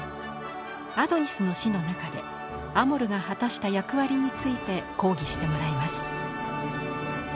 「アドニスの死」の中でアモルが果たした役割について講義してもらいます。